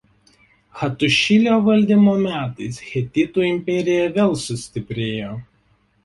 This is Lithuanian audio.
Hatušilio valdymo metais hetitų imperija vėl sustiprėjo.